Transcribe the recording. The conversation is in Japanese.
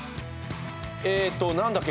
えーっと何だっけ？